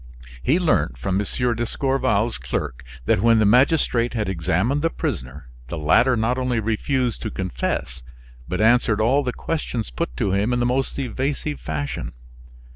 He learnt from M. d'Escorval's clerk that when the magistrate had examined the prisoner, the latter not only refused to confess, but answered all the questions put to him in the most evasive fashion.